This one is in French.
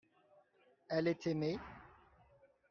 elle est aimée.